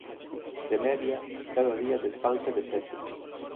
De media, cada día desfanse de sete.